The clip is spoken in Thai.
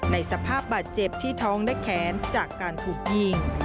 ในสภาพบาดเจ็บที่ท้องและแขนจากการถูกยิง